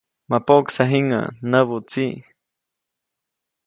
‒ma poʼksa jiŋäʼ‒ näbu tsiʼ.